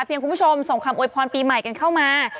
คุณผู้ชมส่งคำโวยพรปีใหม่กันเข้ามา